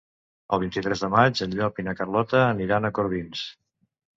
El vint-i-tres de maig en Llop i na Carlota aniran a Corbins.